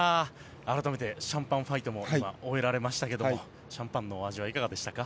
改めてシャンパンファイト今、終えられましたけれどもシャンパンの味はいかがでしたか？